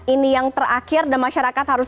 ini yang terakhir dan masyarakat harus